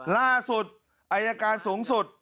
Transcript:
ล่าสุดอายการสูงสุด